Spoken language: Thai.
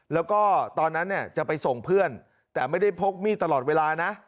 แล้วก็ตอนนั้นเนี่ยจะไปส่งเพื่อนแต่ไม่ได้พกมีดตลอดเวลานะ